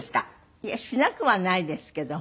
いやしなくはないですけど。